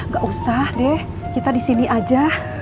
gak usah deh kita disini aja